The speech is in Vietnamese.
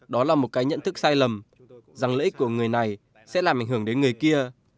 đó là một cái nhận thức sai lầm rằng lợi ích của người này sẽ làm ảnh hưởng đến người kia